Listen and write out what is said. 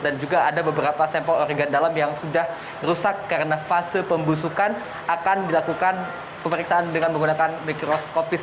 dan juga ada beberapa sampel organ dalam yang sudah rusak karena fase pembusukan akan dilakukan pemeriksaan dengan menggunakan mikroskopis